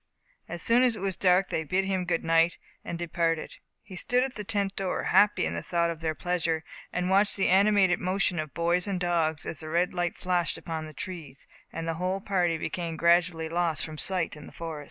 Soon as it was dark they bid him good night, and departed. He stood in the tent door, happy in the thought of their pleasure, and watched the animated motions of boys and dogs, as the red light flashed upon the trees, and the whole party became gradually lost from sight in the forest.